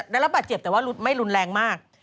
ได้รับบาดเจ็บแต่ว่ารุดไม่รุนแรงมาก